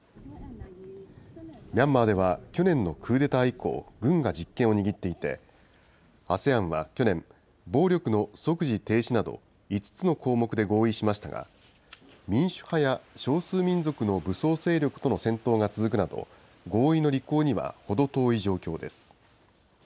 ミャンマーでは去年のクーデター以降、軍が実権を握っていて、ＡＳＥＡＮは去年、暴力の即時停止など、５つの項目で合意しましたが、民主派や少数民族の武装勢力との戦闘が続くなど、合意の履行には程遠い状況です。